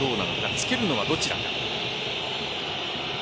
つけるのはどちらか。